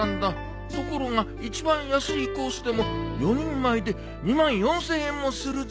ところが一番安いコースでも４人前で２４，０００円もするぞ。